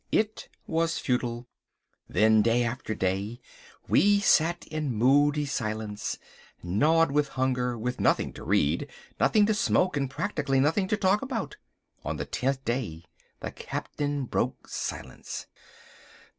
It was futile. Then day after day we sat in moody silence, gnawed with hunger, with nothing to read, nothing to smoke, and practically nothing to talk about. On the tenth day the Captain broke silence.